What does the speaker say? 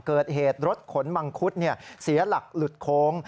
เกิดเหตุรถขนมังคุดเสียหลักหลุดโค้ง